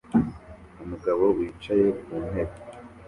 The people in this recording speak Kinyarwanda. Umugabo wicaye ku ntebe